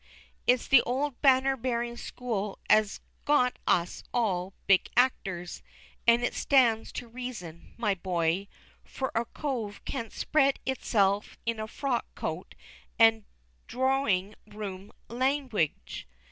It's the old banner bearing school as got us all our big actors, an' it stands to reason, my boy; for a cove can't spred hisself in a frock coat and droring room langwidge.